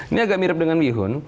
ini agak mirip dengan bihun